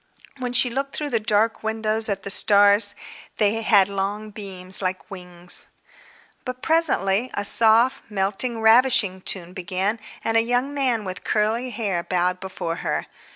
When she looked through the dark windows at the stars, they had long beams like wings.... But presently a soft, melting, ravishing tune began, and a young man with curly hair bowed before her.